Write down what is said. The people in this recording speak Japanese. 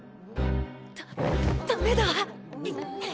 ダダメだ。